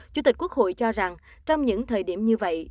chủ tịch quốc hội cho rằng trong những thời điểm như vậy